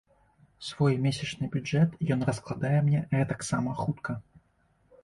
Свой месячны бюджэт ён раскладае мне гэтаксама хутка.